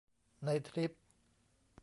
ในทริป